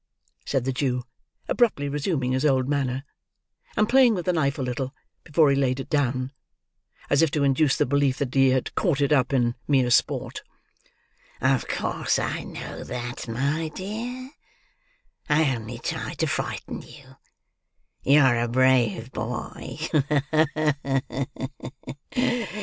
said the Jew, abruptly resuming his old manner, and playing with the knife a little, before he laid it down; as if to induce the belief that he had caught it up, in mere sport. "Of course I know that, my dear. I only tried to frighten you. You're a brave boy. Ha! ha!